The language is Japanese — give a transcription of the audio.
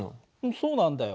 そうなんだよ。